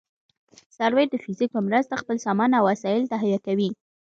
سروې د فزیک په مرسته خپل سامان او وسایل تهیه کوي